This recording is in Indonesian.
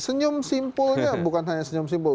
senyum simpulnya bukan hanya senyum simpul